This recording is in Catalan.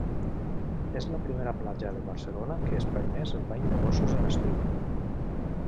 És la primera platja de Barcelona que és permés el bany de gossos en estiu.